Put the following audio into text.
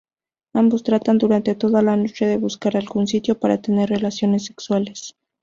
Ambos tratan durante toda la noche de buscar algún sitio para tener relaciones sexuales.